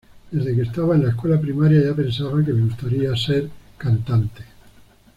Desde que estaba en la escuela primaria, ya pensaba que le gustaría ser cantante.